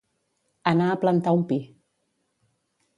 Anar a plantar un pi